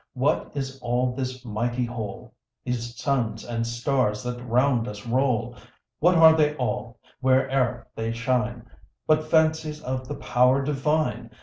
what is all this mighty whole, These suns and stars that round us roll! What are they all, where'er they shine, But Fancies of the Power Divine!